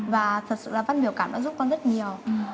và thật sự là văn biểu cảm đã giúp con rất nhiều